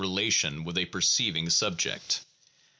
431 relation with a perceiving subject.